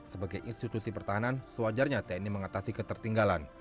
sebagai institusi pertahanan sewajarnya tni mengatasi ketertinggalan